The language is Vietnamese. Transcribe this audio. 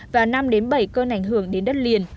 và năm bảy cơn ảnh hưởng đến đất liền